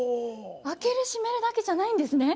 開ける閉めるだけじゃないんですね？